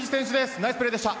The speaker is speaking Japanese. ナイスプレーでした。